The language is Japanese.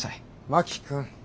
真木君。